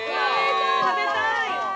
食べたい！